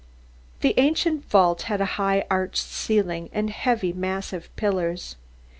The ancient vault had a high arched ceiling and heavy massive pillars.